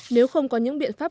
nếu không có những biện pháp